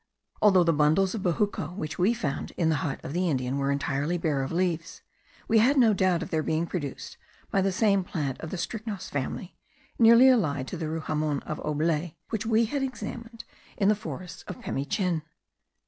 Although the bundles of bejuco which we found in the hut of the Indian were entirely bare of leaves, we had no doubt of their being produced by the same plant of the strychnos family (nearly allied to the rouhamon of Aublet) which we had examined in the forest of Pimichin.